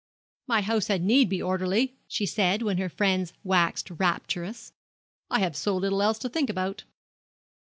'My house had need be orderly,' she said, when her friends waxed rapturous; 'I have so little else to think about.'